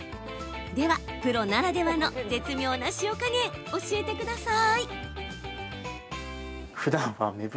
では、プロならではの絶妙な塩加減、教えてください。